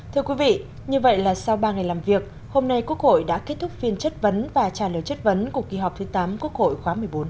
thưa quý vị như vậy là sau ba ngày làm việc hôm nay quốc hội đã kết thúc phiên chất vấn và trả lời chất vấn của kỳ họp thứ tám quốc hội khóa một mươi bốn hai mươi